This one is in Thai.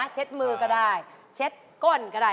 เช็ดมือก็ได้เช็ดก้นก็ได้